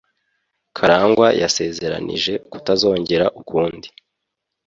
Karangwa yasezeranije kutazongera ukundi.